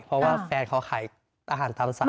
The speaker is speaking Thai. เพราะว่าแฟนเขาขายอาหารตามสั่ง